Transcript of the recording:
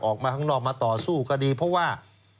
ออกมาข้างนอกมาต่อสู้คดีเพราะว่า